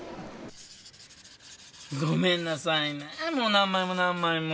ごめんなさいねもう何枚も何枚も。